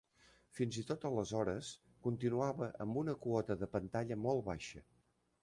Fins i tot aleshores, continuava amb una quota de pantalla molt baixa.